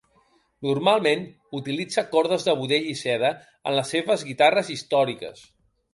Normalment utilitza cordes de budell i seda en les seves guitarres històriques.